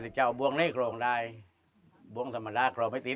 อเจมส์อืมบ๊วยบ๊วยบ๊วยบ๊วยบ๊วยบ๊วยบ๊วยบ๊วยอเจมส์แล้วก็พามาเท่าไหร่ประสาทที่สุด